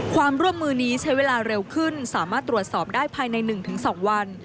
ความร่วมมือนี้ใช้เวลาเร็วขึ้นสามารถตรวจสอบได้ภายใน๑๒วัน